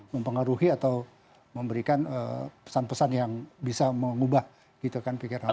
mempengaruhi atau memberikan pesan pesan yang bisa mengubah gitu kan pikiran